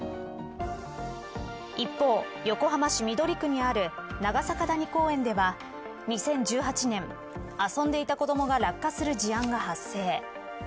一方、横浜市緑区にある長坂谷公園では２０１８年遊んでいた子どもが落下する事案が発生。